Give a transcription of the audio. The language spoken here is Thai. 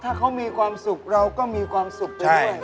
ถ้าเขามีความสุขเราก็มีความสุขไปด้วย